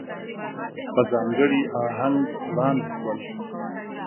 په ځانګړي آهنګ وړاندې شول.